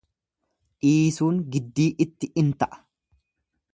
dhiisuun giddii itti in ta'a.